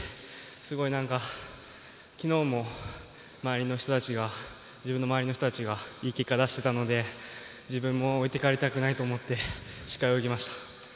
すごい、昨日も自分の周りの人たちがいい結果を出していたので自分も置いていかれたくないと思ってしっかり泳ぎました。